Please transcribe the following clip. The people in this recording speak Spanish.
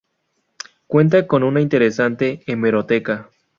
Cuenta con una interesante hemeroteca.